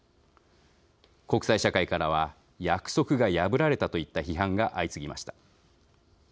国際社会からは約束が破られたといった批判が相次ぎました。